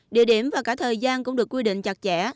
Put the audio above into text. địa điểm và cả thời gian cũng được quy định chặt chẽ